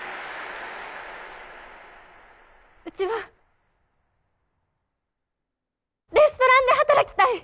うちはレストランで働きたい！